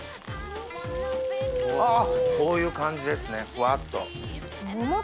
あぁこういう感じですねフワっと。